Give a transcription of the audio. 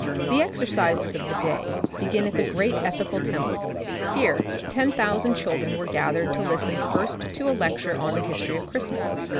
The exercises of the day began at the great Ethical Temple. Here ten thousand children were gathered to listen first to a lecture on the history of Christmas.